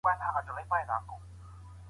شوالیه ګان څوک وو؟